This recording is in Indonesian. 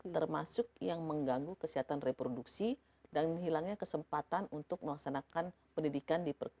termasuk yang mengganggu kesehatan reproduksi dan menghilangkan kesempatan untuk melaksanakan pendidikan di perguruan tersebut